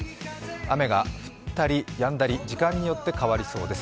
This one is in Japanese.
雨が降ったりやんだり時間によって変わりそうです。